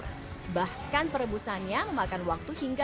lontong karis sapi kabita menggunakan lontong yang dimasak dalam ukuran besar